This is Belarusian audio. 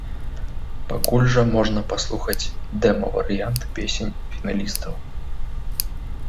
Пакуль жа можна паслухаць дэма-варыянты песень фіналістаў.